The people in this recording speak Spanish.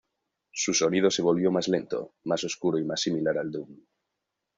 Su sonido se volvió más lento, más oscuro y más similar al Doom.